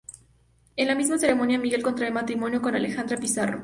En la misma ceremonia Miguel contrae matrimonio con Alejandra Pizarro.